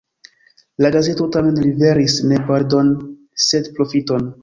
La gazeto tamen liveris ne perdon, sed profiton.